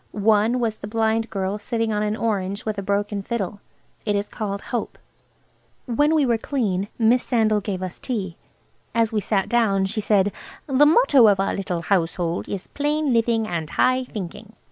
One was the blind girl sitting on an orange with a broken fiddle. It is called Hope. When we were clean Miss Sandal gave us tea. As we sat down she said, "The motto of our little household is 'Plain living and high thinking.'"